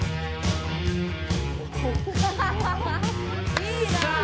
いいなあ！